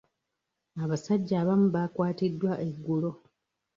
Abasajja abamu baakwatiddwa eggulo.